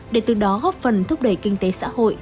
để từ đó góp phần thúc đẩy kinh tế xã hội